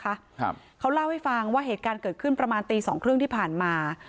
ครับเขาเล่าให้ฟังว่าเหตุการณ์เกิดขึ้นประมาณตีสองครึ่งที่ผ่านมา